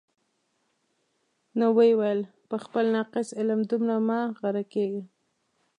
نو ویې ویل: په خپل ناقص علم دومره مه غره کېږه.